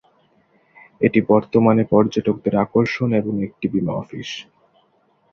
এটি বর্তমানে পর্যটকদের আকর্ষণ এবং একটি বীমা অফিস।